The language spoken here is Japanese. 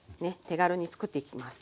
手軽に作っていきます。